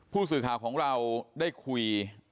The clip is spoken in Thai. ผู้สื่อข่าวของเราได้คุย